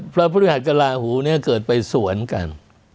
พระพฤหัสกระลาหูเนี่ยเกิดไปสวนกัน